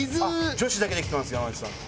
女子だけで来てます山内さん。